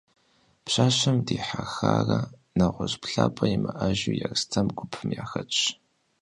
Пщащэм дихьэхарэ нэгъуэщӏ плъапӏэ имыӏэжу, Ерстэм гупым яхэтщ.